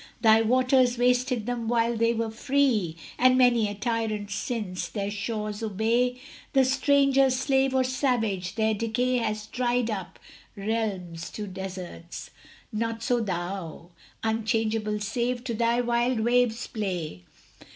Thy waters wasted them while they were free, And many a tyrant since: their shores obey The stranger, slave, or savage; their decay Has dried up realms to deserts; not so thou, Unchangeable save to thy wild waves' play.